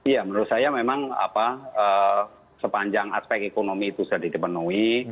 ya menurut saya memang sepanjang aspek ekonomi itu sudah dipenuhi